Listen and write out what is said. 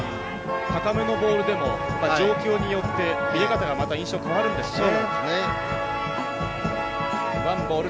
高めのボールでも状況によって見え方が印象、変わるんですね。